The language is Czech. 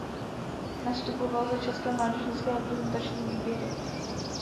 Nastupoval za české mládežnické reprezentační výběry.